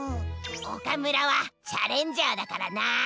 オカムラはチャレンジャーだからな。